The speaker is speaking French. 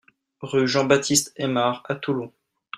Rue Jean Baptiste Aimard à Toulon